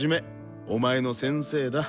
お前の先生だ。